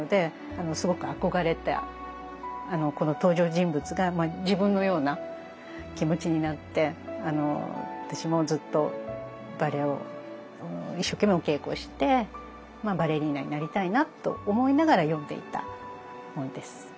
この登場人物が自分のような気持ちになって私もずっとバレエを一生懸命お稽古してバレリーナになりたいなと思いながら読んでいた本です。